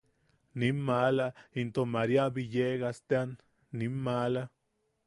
Nim maala into Maria Villegas tean, nim maala.